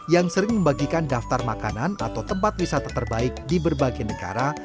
yang sering membagikan daftar makanan atau tempat wisata terbaik di berbagai negara